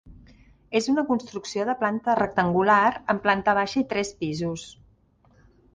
És una construcció de planta rectangular, amb planta baixa i tres pisos.